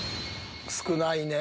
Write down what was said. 少ないねぇ。